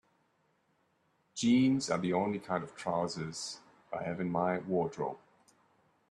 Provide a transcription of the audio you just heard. Jeans are the only kind of trousers I have in my wardrobe.